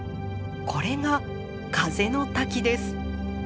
これが風の滝です。